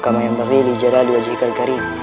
kama yang berhili jadali wajihkal garim